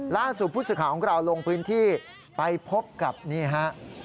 ล่าสู่ผู้ศึกษาของเกราะลงพื้นที่ไปพบกับนี่ฮะ